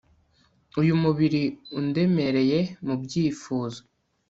uyu mubiri undemereye, mu byifuzo